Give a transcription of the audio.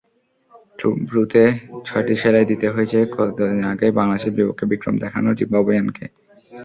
ভ্রুতে ছয়টি সেলাই দিতে হয়েছে কদিন আগেই বাংলাদেশের বিপক্ষে বিক্রম দেখানো জিম্বাবুইয়ানকে।